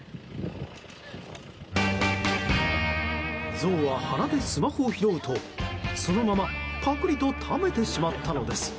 ゾウは鼻でスマホを拾うとそのままパクリと食べてしまったのです。